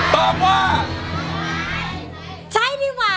ไม่ใช้ไม่ใช้